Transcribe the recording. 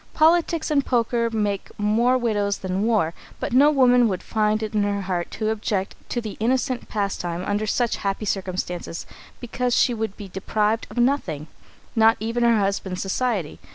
Politics and poker make more widows than war, but no woman could find it in her heart to object to the innocent pastime under such happy circumstances, because she would be deprived of nothing not even her husband's society.